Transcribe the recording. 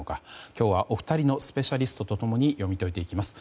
今日はお二人のスペシャリストと共に読み解いていきます。